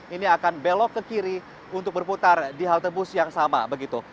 ini akan belok ke kiri untuk berputar di halte bus yang sama begitu